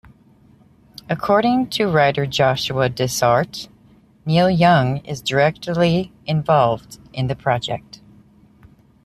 According to writer Joshua Dysart, Neil Young is directly involved in the project.